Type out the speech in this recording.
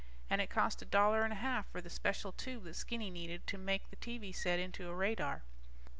And it cost a dollar and a half for the special tube that Skinny needed to make the TV set into a radar.